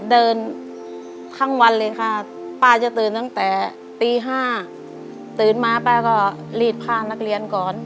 เดินทั้งวันเลยค่ะป้าจะตื่นตั้งแต่ตี๕ตื่นมาป้าก็รีดผ้านักเรียนก่อน